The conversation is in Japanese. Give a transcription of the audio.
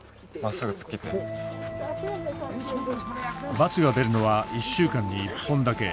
バスが出るのは１週間に１本だけ。